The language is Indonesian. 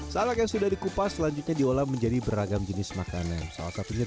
salak yang sudah dikupas selanjutnya diolah menjadi beragam jenis makanan salah satunya